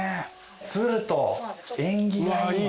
鶴と縁起がいい。